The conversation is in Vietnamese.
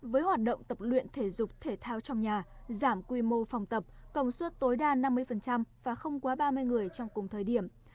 với hoạt động tập luyện thể dục thể thao trong nhà giảm quy mô phòng tập công suất tối đa năm mươi và không quá ba mươi người trong cùng thời điểm